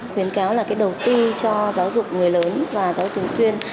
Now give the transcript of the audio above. khuyến cáo là đầu tư cho giáo dục người lớn và giáo dục thường xuyên